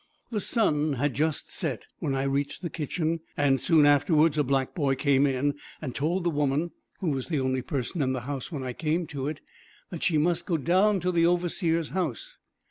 The sun had just set when I reached the kitchen, and soon afterwards, a black boy came in and told the woman, who was the only person in the kitchen when I came to it, that she must go down to the overseer's house.